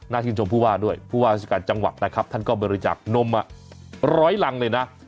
ชื่นชมผู้ว่าด้วยผู้ว่าราชการจังหวัดนะครับท่านก็บริจาคนมร้อยรังเลยนะ